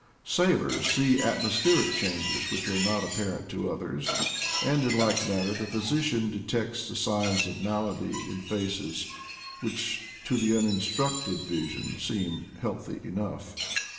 Sailors see atmos pheric changes which are not apparent to others; and, in like manner, the physician detects the signs of malady in faces which to the uninstructed vision seem healthy enough.